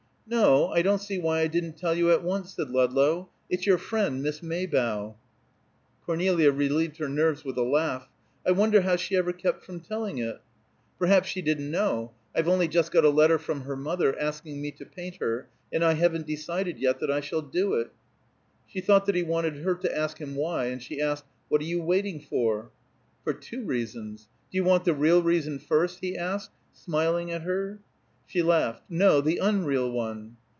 "No; I don't see why I didn't tell you at once," said Ludlow. "It's your friend, Miss Maybough." Cornelia relieved her nerves with a laugh. "I wonder how she ever kept from telling it." "Perhaps she didn't know. I've only just got a letter from her mother, asking me to paint her, and I haven't decided yet that I shall do it." She thought that he wanted her to ask him why, and she asked, "What are you waiting for?" "For two reasons. Do you want the real reason first?" he asked, smiling at her. She laughed. "No, the unreal one!"